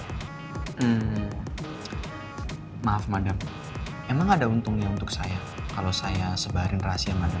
hmm maaf madam emang ada untungnya untuk saya kalau saya sebarin rahasia mada